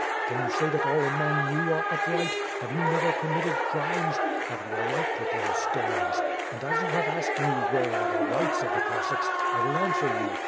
C.'an you say that all among you are upright? Have you never committed crimes? Have you a right to throw stones? And as you have asked me, where are the rights of the Cossacks, I will answer you.